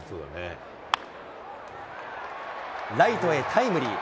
ライトへタイムリー。